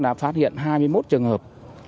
đã phát hiện hai mươi một trường hợp